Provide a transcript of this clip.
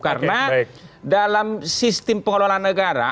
karena dalam sistem pengelolaan negara